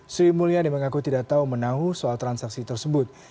sri mulyani mengaku tidak tahu menahu soal transaksi tersebut